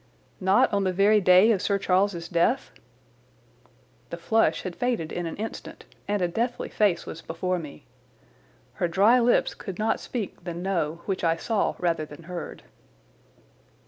"Not on the very day of Sir Charles's death?" The flush had faded in an instant, and a deathly face was before me. Her dry lips could not speak the "No" which I saw rather than heard.